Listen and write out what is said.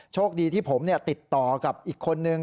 โชคดีที่ผมติดต่อกับอีกคนนึง